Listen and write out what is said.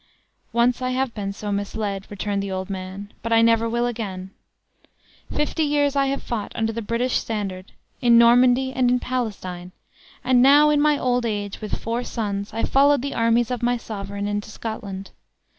"Once I have been so misled," returned the old man; "but I never will again. Fifty years I have fought under the British standard, in Normandy and in Palestine; and now in my old age, with four sons, I followed the armies of my sovereign into Scotland.